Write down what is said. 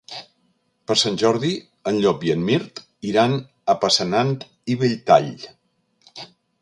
Per Sant Jordi en Llop i en Mirt iran a Passanant i Belltall.